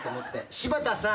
柴田さん。